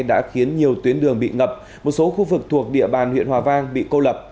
đã khiến nhiều tuyến đường bị ngập một số khu vực thuộc địa bàn huyện hòa vang bị cô lập